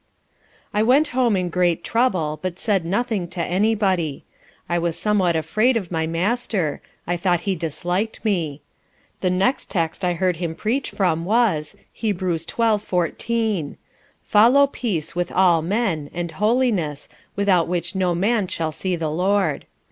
I went home in great trouble, but said nothing to any body. I was somewhat afraid of my master; I thought he disliked me. The next text I heard him preach from was, Heb. xii. 14. _"follow peace with all men, and holiness, without which no man shall see the LORD."